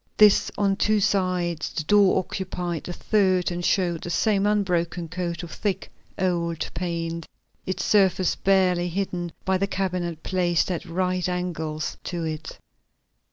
This on two sides; the door occupied the third and showed the same unbroken coat of thick, old paint, its surface barely hidden by the cabinet placed at right angles to it.